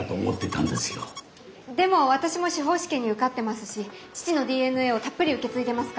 でも私も司法試験に受かってますし父のＤＮＡをたっぷり受け継いでますから。